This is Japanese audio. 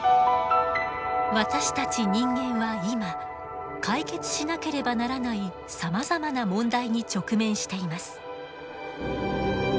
私たち人間は今解決しなければならないさまざまな問題に直面しています。